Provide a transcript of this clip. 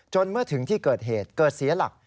เมื่อถึงที่เกิดเหตุเกิดเสียหลัก